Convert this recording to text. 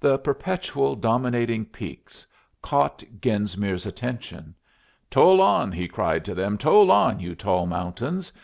The perpetual dominating peaks caught Genesmere's attention. "Toll on!" he cried to them. "Toll on, you tall mountains.